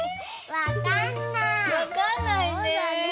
わかんないね。